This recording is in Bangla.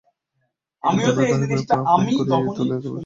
যদি আমরা ধারাবাহিক পারফর্ম করতে পারি, তবে টেস্টেও ভালো করতে পারব।